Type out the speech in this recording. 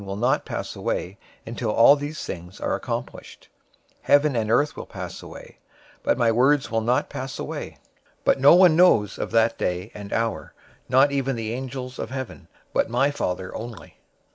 "} will not pass away, until all these things are accomplished. 024:035 Heaven and earth will pass away, but my words will not pass away. 024:036 But no one knows of that day and hour, not even the angels of heaven, but my Father only.